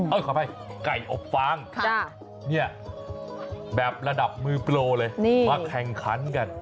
ขออภัยไก่อบฟางเนี่ยแบบระดับมือโปรเลยมาแข่งขันกัน